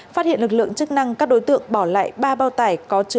phát hiện lực lượng chức năng các đối tượng bỏ lại ba bao tải